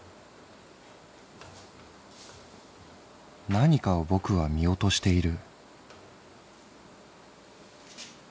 「何かをぼくは見落としている」。